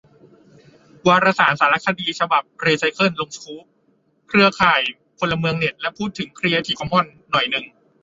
วารสาร 'สารคดี' ฉบับ 'รีไซเคิล' ลงสกู๊ป เครือข่ายพลเมืองเน็ต และพูดถึงครีเอทีฟคอมมอนส์หน่อยนึง